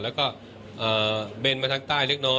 แล้วก็เบนมาทางใต้เล็กน้อย